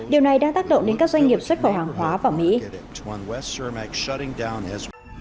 điều này đang tác động đến các doanh nghiệp xuất khẩu hàng hóa vào mỹ